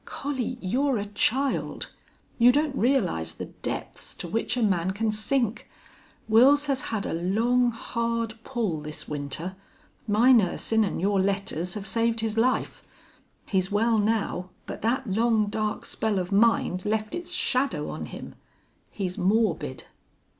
"Collie, you're a child. You don't realize the depths to which a man can sink. Wils has had a long, hard pull this winter. My nursin' an' your letters have saved his life. He's well, now, but that long, dark spell of mind left its shadow on him. He's morbid."